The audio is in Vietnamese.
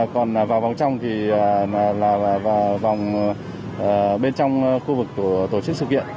còn vào vòng trong là vòng bên trong khu vực tổ chức sự kiện